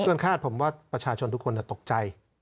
ส่วนคาดผมว่าประชาชนทุกคนตกใจ